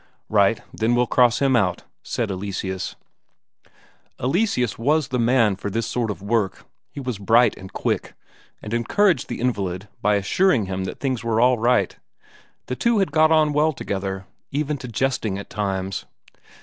"Right, then we'll cross him out," said Sivert. Eleseus was the man for this sort of work; he was bright and quick, and encouraged the invalid by assuring him that things were all right; the two had got on well together, even to jesting at times.